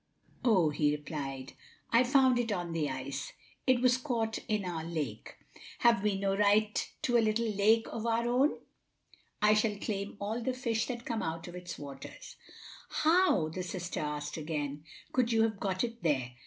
'7 "Oh," he replied, "I found it on the ice. It was caught in our lake. Have we no right to a little lake of our own? I shall claim all the fish that come out of its waters." "How," the sister asked again, "could you have got it there?"